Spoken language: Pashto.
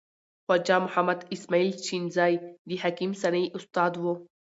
خواجه محمد اسماعیل شنیزی د حکیم سنایی استاد و.